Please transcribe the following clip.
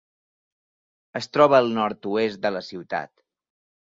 Es troba al nord-oest de la ciutat.